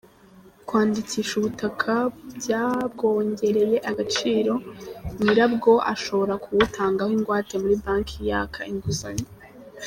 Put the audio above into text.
Kwandikisha ubutaka byabwongereye agaciro, nyira bwo ashobora kubutangaho ingwate muri banki yaka inguzanyo.